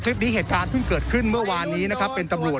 คลิปที่เหตุการณ์กล้องเกิดขึ้นเมื่อวานนี้นะครับเป็นตำรส